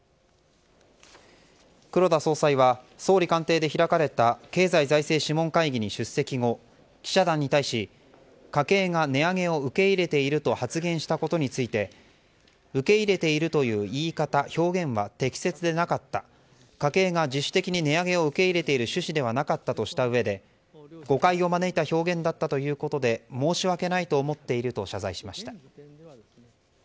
黒田総裁は総理官邸で開かれた経済財政諮問会議に出席後、記者団に対し家計が値上げを受け入れていると発言したことについて受け入れているという言い方表現は適切でなかった家計が自主的に値上げを受け入れている趣旨ではなかったとしたうえで誤解を招いた表現だったということで申し訳ないと思っていると謝罪しました。